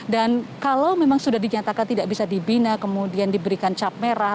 dan kalau memang sudah dinyatakan tidak bisa dibina kemudian diberikan cap merah